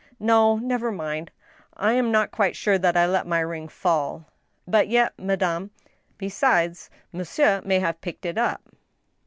" No — never mind. I am not quite sure that I let my ring fall." *• But yet, madame—" " Besides, monsieur may have picked it up.